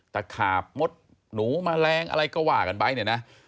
ตะขาบมดหนูแมลงอะไรก็ว่ากันไปเนี่ยนะ